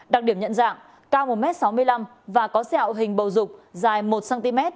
đặc điểm nhận dạng cao một sáu mươi năm m và có xe ảo hình bầu dục dài một cm